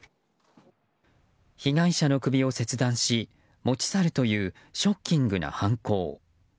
被害者の首を切断し持ち去るというショッキングな犯行。